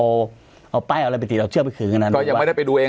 เอาเอาป้ายเอาอะไรไปติดเอาเชื่อมไปคืนกันอ่ะก็ยังไม่ได้ไปดูเอง